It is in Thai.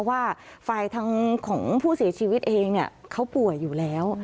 ว่าฝ่ายทางของผู้เสียชีวิตเองเขาป่วยอยู่แล้ว